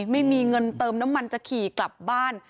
ไม่มีเงินเติมน้ำมันจะขี่กลับบ้าน